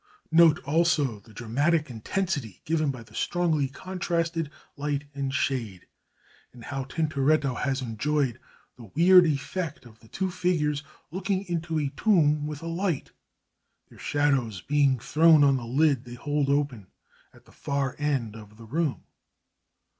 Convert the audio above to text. Note also the dramatic intensity given by the strongly contrasted light and shade, and how Tintoretto has enjoyed the weird effect of the two figures looking into a tomb with a light, their shadows being thrown on the lid they hold open, at the far end of the room.